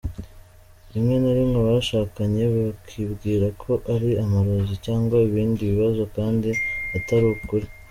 rimwe na rimwe abashakanye bakibwira ko ari amarozi cyangwa ibindi bibazo kandi atari ukuri.